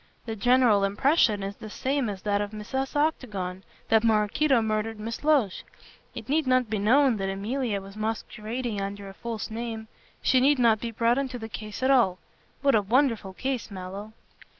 The general impression is the same as that of Mrs. Octagon, that Maraquito murdered Miss Loach. It need not be known that Emilia was masquerading under a false name. She need not be brought into the case at all. What a wonderful case, Mallow."